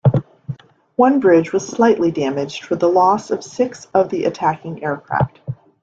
One bridge was slightly damaged for the loss of six of the attacking aircraft.